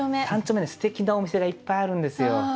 すてきなお店がいっぱいあるんですよ。